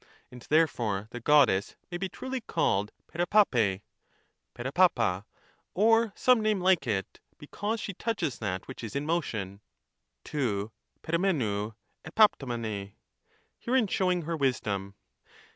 And therefore the Goddess may be truly called Pherepaphe {^epeTrdcpa), or some name like it, because she touches that which is in motion (rov (f>epojiEvov Ecparrrojih'Tj), herein showing her wisdom.